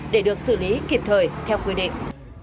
để được xử lý kịp thời theo quy định